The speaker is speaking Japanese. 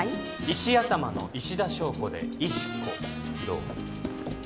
石頭の石田硝子で「石子」どう？